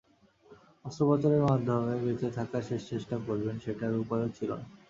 অস্ত্রোপচারের মাধ্যমে বেঁচে থাকার শেষ চেষ্টা করবেন, সেটার উপায়ও ছিল না।